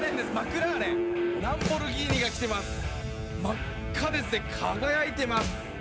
真っ赤ですね、輝いてます。